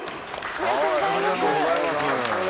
ありがとうございます。